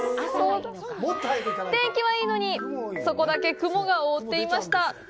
天気はいいのに、そこだけ雲が覆っていました。